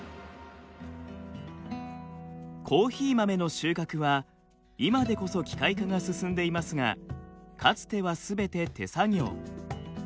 コーヒー豆の収穫は今でこそ機械化が進んでいますがかつてはすべて手作業。